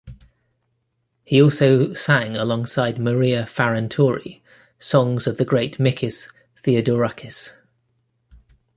He also sang alongside Maria Farantouri, songs of the great Mikis Theodorakis.